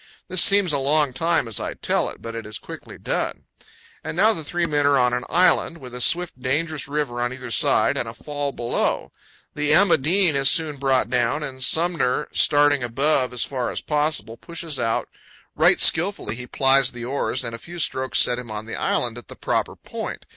This seems a long time as I tell it, but it is quickly done. THE CANYON OF LODORE. 155 And now the three men are on an island, with a swift, dangerous river on either side and a fall below. The "Emma Dean" is soon brought down, and Sumner, starting above as far as possible, pushes powell canyons 106.jpg WRECK AT DISASTER FALLS. out. Right skillfully he plies the oars, and a few strokes set him on the island at the proper point.